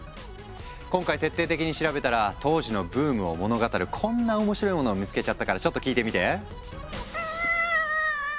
今回徹底的に調べたら当時のブームを物語るこんな面白いモノを見つけちゃったからちょっと聞いてみて！